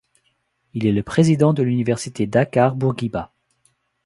Il est le président de l’Université Dakar Bourguiba.